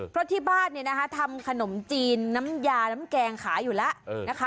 เพราะที่บ้านเนี่ยนะคะทำขนมจีนน้ำยาน้ำแกงขายอยู่แล้วนะคะ